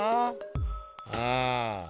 うん。